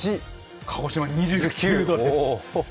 鹿児島２９度です。